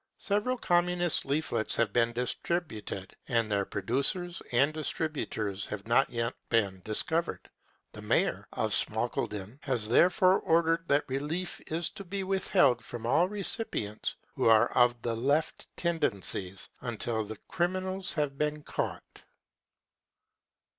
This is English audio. Several Communist leaflets have been distributed, and their producers and Y ? distributors have not yet been discovered. The Mayor of Schmalkalden has therefore ordered that relief is to be withheld from all recipients who are of Left tendencies until the criminals have been caught."